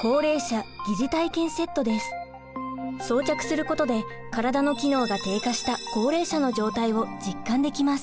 装着することで体の機能が低下した高齢者の状態を実感できます。